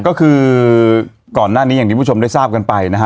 ก็คือก่อนหน้านี้อย่างที่ผู้ชมได้ทราบกันไปนะฮะ